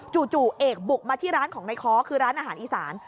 จู่เอกบุกมาที่ร้านของในค้อคือร้านอาหารอีสาน